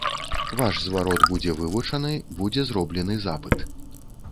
Ваш зварот будзе вывучаны, будзе зроблены запыт.